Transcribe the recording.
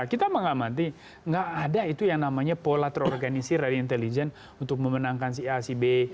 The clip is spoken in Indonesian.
kita mengamati nggak ada itu yang namanya pola terorganisir dari intelijen untuk memenangkan si a si b